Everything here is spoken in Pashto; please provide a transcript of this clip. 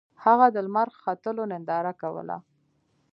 هغه د لمر ختلو ننداره کوله.